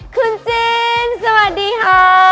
คุณจีนสวัสดีค่ะ